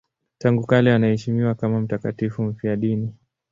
Tangu kale anaheshimiwa kama mtakatifu mfiadini.